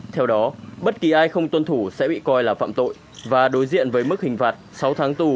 theo đó bất kỳ ai không tuân thủ sẽ bị coi là phạm tội và đối diện với mức hình phạt sáu tháng tù